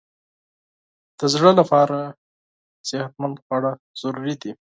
د زړه لپاره صحتمند خواړه ضروري دي.